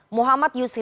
muhammad yusri skandar